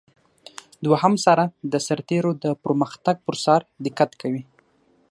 دوهم څارن د سرتیرو د پرمختګ پر څار دقت کوي.